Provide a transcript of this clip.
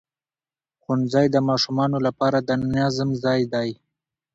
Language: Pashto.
ښوونځی د ماشومانو لپاره د نظم ځای دی